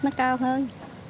nó cao hơn